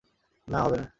না, হবে না!